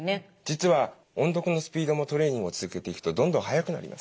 実は音読のスピードもトレーニングを続けていくとどんどん速くなります。